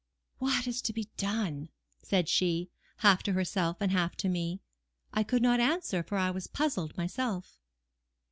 "What is to be done?" said she, half to herself and half to me. I could not answer, for I was puzzled myself.